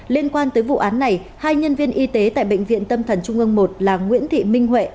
liên quan tới vụ án này hai nhân viên y tế tại bệnh viện tâm thần trung ương một là nguyễn thị minh huệ